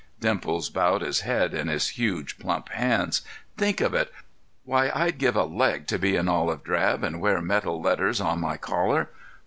Dimples bowed his head in his huge, plump hands. "Think of it! Why, I'd give a leg to be in olive drab and wear metal letters on my collar!